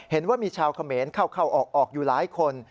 เห็นว่ามีชาวเขมรเข้าออกอยู่หลายคน